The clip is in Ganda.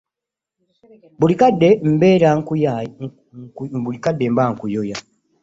Buli kadde mbeera nkuyoya.